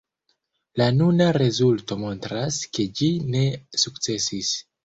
La nuna rezulto montras, ke ĝi ne sukcesis.